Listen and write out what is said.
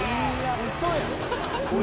うそやん。